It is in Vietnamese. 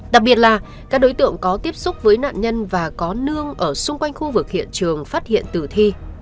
đặc biệt là các đối tượng có tiếp xúc với nạn nhân và có nương ở xung quanh khu vực hiện trường phát hiện tử thi